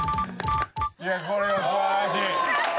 これは素晴らしい。